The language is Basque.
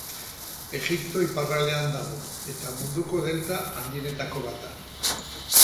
Egipto iparraldean dago eta munduko delta handienetako bat da.